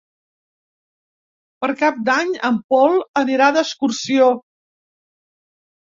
Per Cap d'Any en Pol anirà d'excursió.